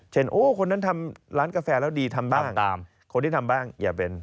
เช่นคนนั้นทำร้านกาแฟแล้วดีทำตามคนที่ทำตามอย่าเป็น